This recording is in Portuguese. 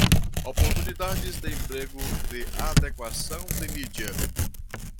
Oportunidades de emprego de adequação de mídia